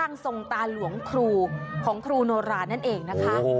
ทรงตาหลวงครูของครูโนรานั่นเองนะคะ